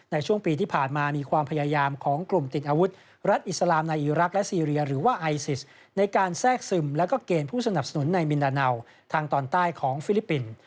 ในช่วงปีที่ผ่านมามีความพยายามของกลุ่มติดอาวุธรัฐอิสลามในอีรักษ์และซีเรียหรือว่าไอซิสในการแทรกซึมแล้วก็เกณฑ์ผู้สนับสนุนในมินดาเนาทางตอนใต้ของฟิลิปปินส์